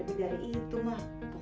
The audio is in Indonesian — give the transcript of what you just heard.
sekarang coba banget dek